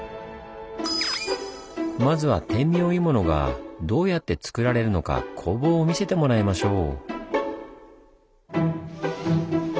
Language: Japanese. まずは天明鋳物がどうやってつくられるのか工房を見せてもらいましょう。